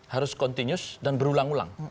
harus continus dan berulang ulang